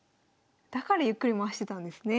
だからゆっくり回してたんですね。